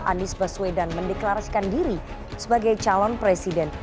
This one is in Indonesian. anies baswedan mendeklarasikan diri sebagai calon presiden